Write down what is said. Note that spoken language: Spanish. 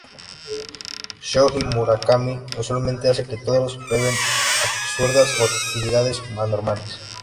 Shoji Murakami usualmente hace que todos prueben absurdas o actividades anormales.